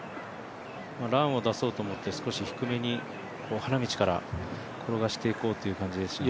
ランを出そうと思って少し低めに花道から転がしていこうという考えですね。